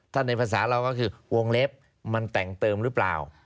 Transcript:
ถ้าในภาษาเราก็คือวงเล็บมันแต่งเติมหรือเปล่า